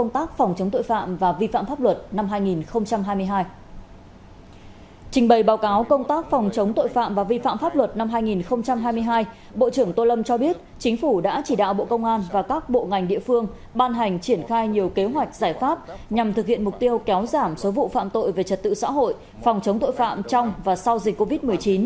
trong công tác phòng chống tội phạm và vi phạm pháp luật năm hai nghìn hai mươi hai bộ trưởng tô lâm cho biết chính phủ đã chỉ đạo bộ công an và các bộ ngành địa phương ban hành triển khai nhiều kế hoạch giải pháp nhằm thực hiện mục tiêu kéo giảm số vụ phạm tội về trật tự xã hội phòng chống tội phạm trong và sau dịch covid một mươi chín